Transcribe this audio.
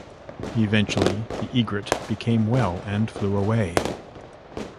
Eventually the egret became well and flew away.